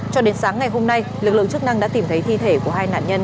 cho đến sáng ngày hôm nay lực lượng chức năng đã tìm thấy thi thể của hai nạn nhân